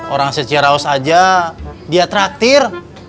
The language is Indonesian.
orang secara aus aja dia traktir